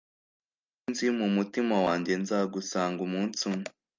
nari nzi mumutima wanjye nzagusanga umunsi umwe